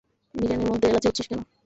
বিরিয়ানির মধ্যে এলাচি হচ্ছিস কেন?